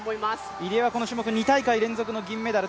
入江はこの種目２大会連続の銀メダル。